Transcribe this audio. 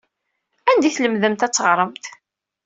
Anda ay tlemdemt ad teɣremt?